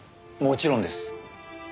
もちろんです。